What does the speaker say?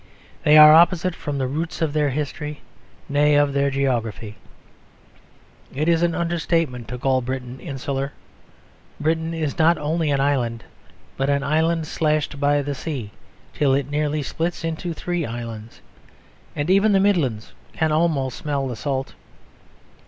They are opposite from the roots of their history, nay, of their geography. It is an understatement to call Britain insular. Britain is not only an island, but an island slashed by the sea till it nearly splits into three islands; and even the Midlands can almost smell the salt.